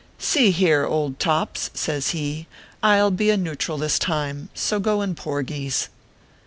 "See here, old tops," says he, "I ll be a neutral this time ; so go in porgies